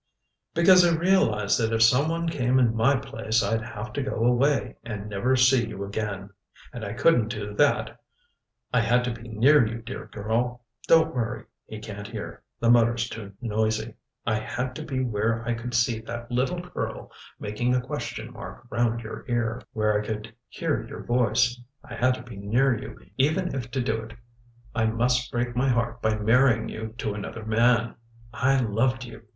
"Because I realized that if some one came in my place I'd have to go away and never see you again and I couldn't do that I had to be near you, dear girl don't worry, he can't hear, the motor's too noisy I had to be where I could see that little curl making a question mark round your ear where I could hear your voice I had to be near you even if to do it I must break my heart by marrying you to another man. I loved you.